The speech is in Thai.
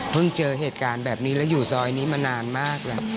เจอเหตุการณ์แบบนี้แล้วอยู่ซอยนี้มานานมากแหละ